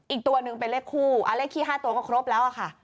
อีกตัวหนึ่งเป็นเลขคู่เลขขี้๕ตัวก็ครบแล้วอะค่ะ